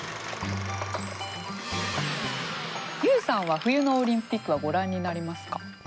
ＹＯＵさんは冬のオリンピックはご覧になりますか？